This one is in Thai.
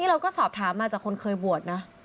เราก็สอบถามมาจากคนเคยบวชนะ